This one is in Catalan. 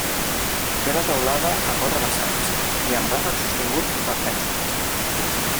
Té la teulada a quatre vessants i amb ràfec sostingut per mènsules.